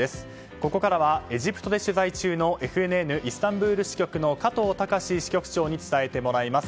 ここからはエジプトで取材中のＦＮＮイスタンブール支局の加藤崇支局長に伝えてもらいます。